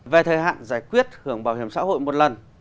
về thời hạn giải quyết hưởng bảo hiểm xã hội một lần